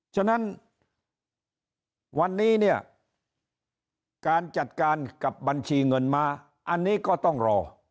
ฉะนั้นวันนี้เนี่ยการจัดการกับบัญชีเงินม้าอันนี้ก็ต้องรอ